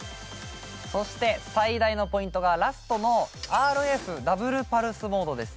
そして最大のポイントがラストのＲＦダブルパルスモードです。